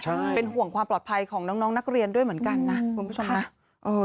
ใช่เป็นห่วงความปลอดภัยของน้องน้องนักเรียนด้วยเหมือนกันนะคุณผู้ชมนะเออ